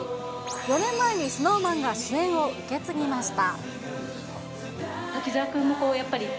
４年前にＳｎｏｗＭａｎが主演を受け継ぎました。